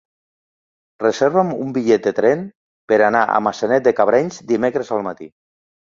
Reserva'm un bitllet de tren per anar a Maçanet de Cabrenys dimecres al matí.